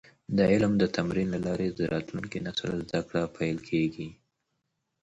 د علم د تمرین له لارې د راتلونکي نسل زده کړه پېل کیږي.